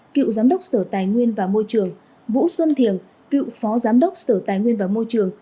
cựu giám đốc sở tài nguyên và môi trường vũ xuân thiềng cựu phó giám đốc sở tài nguyên và môi trường